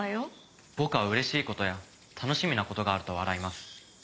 僕は嬉しい事や楽しみな事があると笑います。